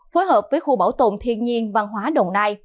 phối hợp với khu bảo tồn thiên nhiên văn hóa đồng nai